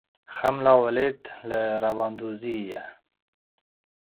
Xemla Welêt li Rewandûzê ye.